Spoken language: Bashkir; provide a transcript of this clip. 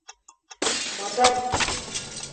Мадам!